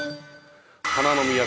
花の都